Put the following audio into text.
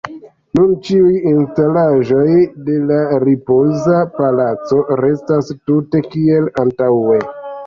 Nun ĉiuj instalaĵoj de la Ripoza Palaco restas tute kiel antaŭe.